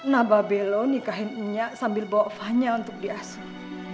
nah babelo nikahinnya sambil bawa fanya untuk di asur